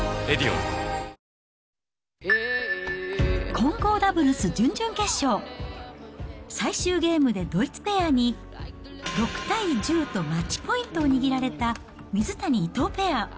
混合ダブルス準々決勝、最終ゲームでドイツペアに６対１０とマッチポイントを握られた水谷・伊藤ペア。